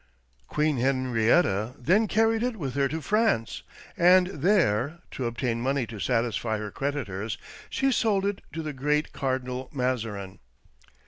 Queen Henrietta then carried it with her to France, and there, to obtain money to satisfy her creditors, she sold it to the great Cardinal Mazarin.